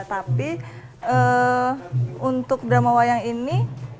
tapi untuk drama wayang ini